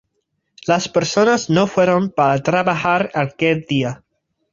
Las personas no fueron para trabajar aquel día.